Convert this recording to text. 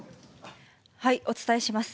お伝えします。